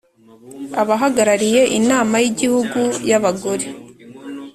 Abahagarariye Inama y Igihugu y Abagore